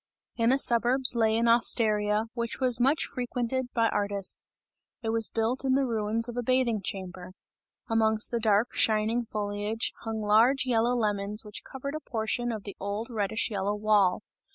In the suburbs, lay an osteria, which was much frequented by artists; it was built in the ruins of a bathing chamber. Amongst the dark shining foliage, hung large yellow lemons which covered a portion of the old reddish yellow wall.